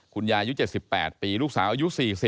คุณยายุค๗๘ปีลูกสาวอายุ๔๐